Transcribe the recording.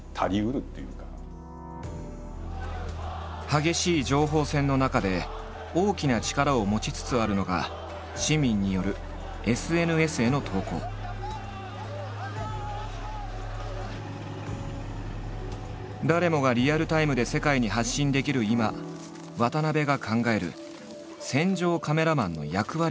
激しい情報戦の中で大きな力を持ちつつあるのが市民による誰もがリアルタイムで世界に発信できる今渡部が考える戦場カメラマンの役割とは？